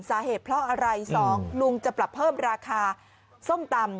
สาเหตุเพราะอะไร๒ลุงจะปรับเพิ่มราคาส้มตำ